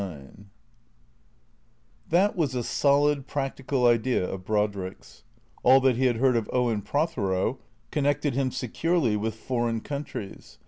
XXIX THAT was a solid, practical idea of Brodrick's. All that he had heard of Owen Prothero connected him securely with foreign countries.